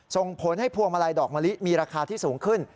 ส่งผลให้พวงมาลัยดอกมะลิมีราคาที่สูงขึ้น